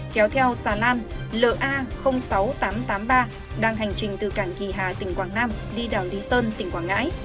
kéo theo xà lan la sáu nghìn tám trăm tám mươi ba đang hành trình từ cảng kỳ hà tỉnh quảng nam đi đảo lý sơn tỉnh quảng ngãi